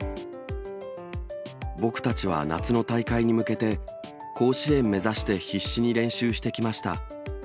僕たちは夏の大会に向けて、甲子園目指して必死に練習してきました。